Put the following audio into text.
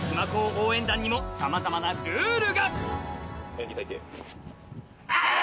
応援団にもさまざまなルールがあい！